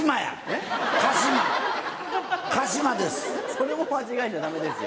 それも間違えちゃダメですよ。